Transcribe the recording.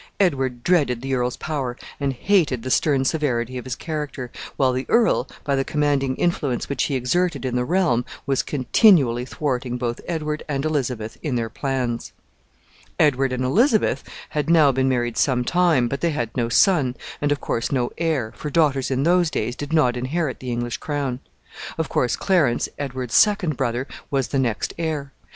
Edward dreaded the earl's power, and hated the stern severity of his character, while the earl, by the commanding influence which he exerted in the realm, was continually thwarting both Edward and Elizabeth in their plans. Edward and Elizabeth had now been married some time, but they had no son, and, of course, no heir, for daughters in those days did not inherit the English crown. Of course, Clarence, Edward's second brother, was the next heir.